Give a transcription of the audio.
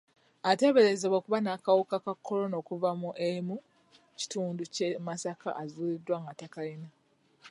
Ateeberezebwa okuba n'akawuka ka kolona okuva e mu kitundu ky'e Masaka azuuliddwa nga takayina.